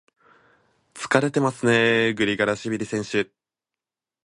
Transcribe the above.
疲れてますね、グリガラシビリ選手。